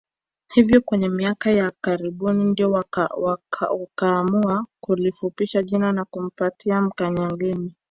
Hivyo kwenye miaka ya karibuni ndio wakaamua kulifupisha jina na kupaita Mkanyageni